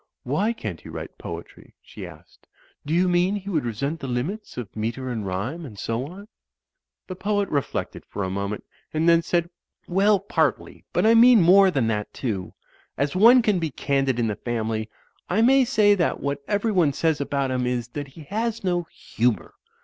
"Why can't he write poetry?" she asked. "Do you mean he would resent the limits of metre and rhyme and so on?" The poet reflected for a moment and then said. Digitized by CjOOQIC THE TURK AND THE FUTURISTS 255 '*Well, partly ; but I mean more than that too. As one can be candid in the family, I may say that what every one says about him is that he has no humour.